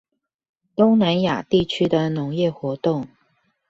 東南亞地區的農業活動